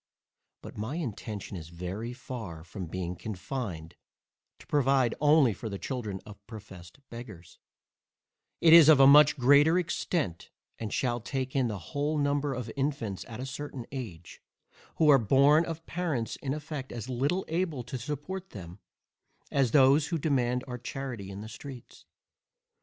But my intention is very far from being confined to provide only for the children of professed beggars: it is of a much greater extent, and shall take in the whole number of infants at a certain age, who are born of parents in effect as little able to support them, as those who demand our charity in the streets.